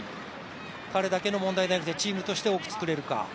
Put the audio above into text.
彼だけの問題じゃなくて、チームとして多く作れるか。